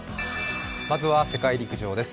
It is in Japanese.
まずは世界陸上です。